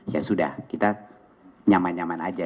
ya sudah kita nyaman nyaman aja